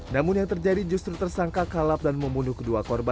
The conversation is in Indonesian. namun yang terjadi justru tersangka kalap dan membunuh kedua korban